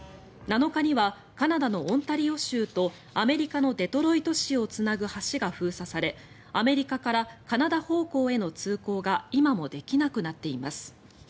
７日にはカナダのオンタリオ州とアメリカのデトロイト市をつなぐ橋が封鎖されアメリカからカナダ方向への通行が今もできなくなっています。